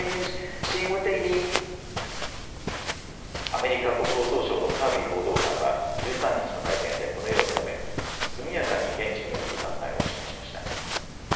アメリカ国防総省のカービー報道官は１３日の会見でこのように述べ、速やかに現地に送る考えを示しました。